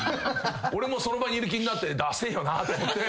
俺もその場にいる気になってダセえよなと思って。